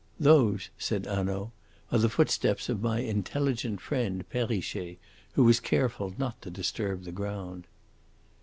"Those," said Hanaud, "are the footsteps of my intelligent friend, Perrichet, who was careful not to disturb the ground."